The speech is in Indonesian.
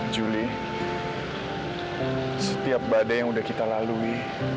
julie setiap badai yang kita lalui